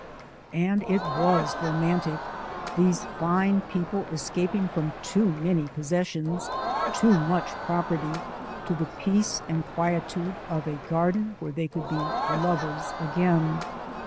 And it WAS romantic: these fine people escaping from too many possessions, too much property, to the peace and quietude of a garden where they could be lovers again.